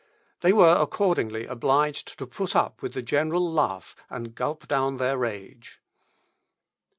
They were accordingly obliged to put up with the general laugh, and gulp down their rage.